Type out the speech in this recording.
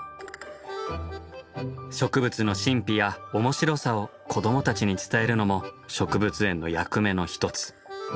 植物の神秘やおもしろさを子どもたちに伝えるのも植物園の役目の一つ。